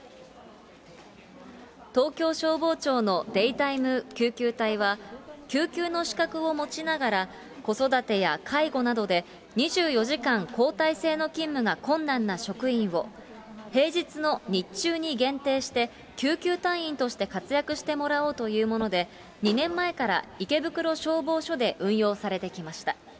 東京消防庁のデイタイム救急隊は、救急の資格を持ちながら、子育てや介護などで、２４時間交代制の勤務が困難な職員を、平日の日中に限定して、救急隊員として活躍してもらおうというもので、２年前から池袋消防署で運用されてきました。